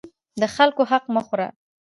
د خلکو حق مه خوره.